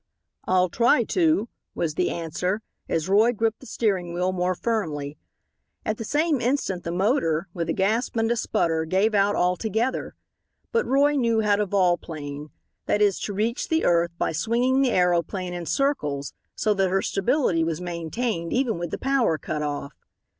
"I'll try to," was the answer, as Roy gripped the steering wheel more firmly. At the same instant the motor, with a gasp and a sputter, gave out altogether. But Roy knew how to volplane; that is, to reach the earth by swinging the aeroplane in circles so that her stability was maintained even with the power cut off.